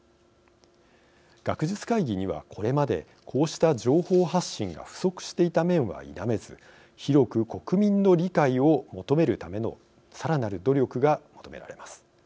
学術会議には、これまでこうした情報発信が不足していた面は否めず広く国民の理解を求めるためのさらなる努力が求められます。